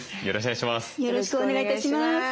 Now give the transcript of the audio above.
よろしくお願いします。